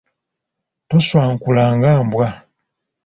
Toswankula nga mbwa.